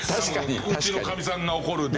うちのかみさんが怒るデータが。